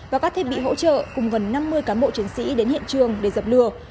và các thiết bị hỗ trợ cùng gần năm mươi cán bộ chiến sĩ đến hiện trường để dập lửa